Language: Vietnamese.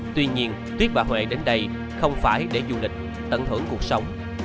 tuy nhiên tuyết bà huệ đến đây không phải để du lịch tận hưởng cuộc sống